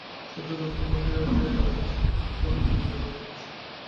সুচরিতা উৎফুল্ল হইয়া উঠিয়া তাড়াতাড়ি কহিল, আসুন, বিনয়বাবু, আসুন।